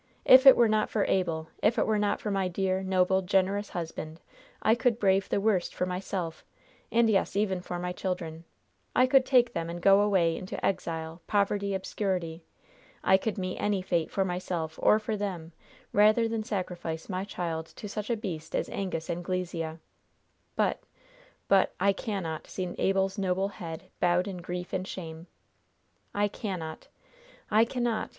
If it were not for Abel! If it were not for my dear, noble, generous husband, I could brave the worst for myself and, yes, even for my children! I could take them and go away into exile, poverty, obscurity. I could meet any fate for myself, or for them, rather than sacrifice my child to such a beast as Angus Anglesea! But but I cannot see Abel's noble head bowed in grief and shame! I cannot! I cannot!